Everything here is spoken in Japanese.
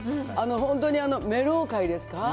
本当にメロウ会ですか？